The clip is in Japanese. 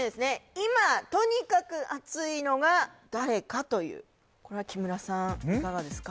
今とにかくアツいのが誰かというこれは木村さんいかがですか？